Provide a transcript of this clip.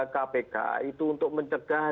kpk itu untuk mencegah